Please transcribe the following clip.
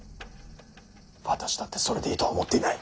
私だってそれでいいとは思っていない。